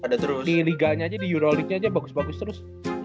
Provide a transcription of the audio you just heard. di liganya aja di euro league aja bagus bagus terus